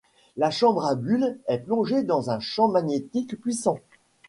La chambre à bulles est plongée dans un champ magnétique puissant.